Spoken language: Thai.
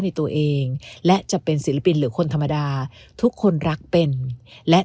ในตัวเองและจะเป็นศิลปินหรือคนธรรมดาทุกคนรักเป็นและ